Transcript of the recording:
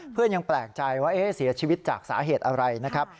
ยังแปลกใจว่าเสียชีวิตจากสาเหตุอะไรนะครับ